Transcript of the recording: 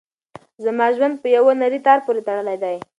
زما ژوند په یوه نري تار پورې تړلی دی.